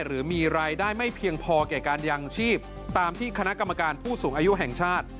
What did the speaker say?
หรือมีรายได้ไม่เพียงพอแก่การยางชีพตามที่คณะกรรมการผู้สูงอายุแห่งชาติ